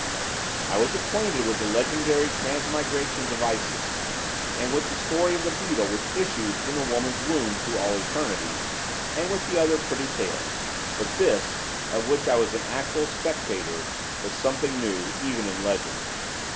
I was acquainted with the legendary transmigrations of Isis, and with the story of the beetle which issues from the woman's womb through all eternity, and with the other pretty tales, but this, of which I was an actual spectator, was something new, even in legends.